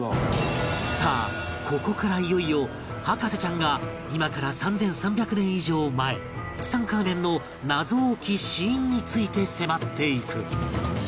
さあここからいよいよ博士ちゃんが今から３３００年以上前ツタンカーメンの謎多き死因について迫っていく